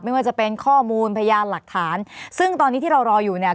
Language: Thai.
ไม่ว่าจะเป็นข้อมูลพยานหลักฐานซึ่งตอนนี้ที่เรารออยู่เนี่ย